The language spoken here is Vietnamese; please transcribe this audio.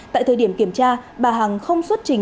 tại thời điểm kiểm tra bà hằng không xuất trình